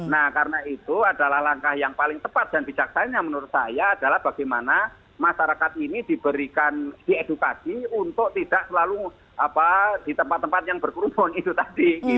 nah karena itu adalah langkah yang paling tepat dan bijaksana menurut saya adalah bagaimana masyarakat ini diberikan diedukasi untuk tidak selalu di tempat tempat yang berkerumun itu tadi